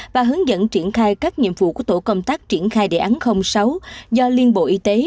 và hướng dẫn triển khai các nhiệm vụ của tổ công tác triển khai đề án sáu do liên bộ y tế